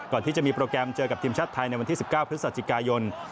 ก่อนที่จะมีโปรแกรมเจอกับทีมชาติไทยในวันที่๑๙พฤศจิกายน